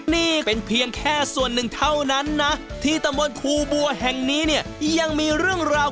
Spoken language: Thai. นี่เป็นเพียงแค่ส่วนหนึ่งเท่านั้นนะที่ตำบลครูบัวแห่งนี้เนี่ยยังมีเรื่องราว